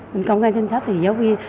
mình công khai danh sách thì giáo viên